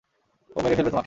ও মেরে ফেলবে তোমাকে।